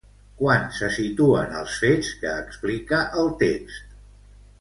Quan se situen els fets que explica el text?